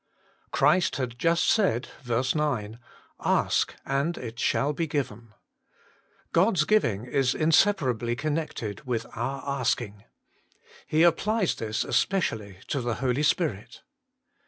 13. had just said (v. 9), "Ask, and it shall be given": God s giving is inseparably connected with our asking. He applies this especially to the Holy Spirit.